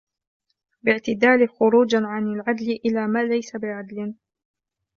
بِاعْتِدَالٍ خُرُوجًا عَنْ الْعَدْلِ إلَى مَا لَيْسَ بِعَدْلٍ